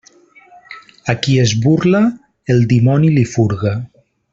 A qui es burla, el dimoni li furga.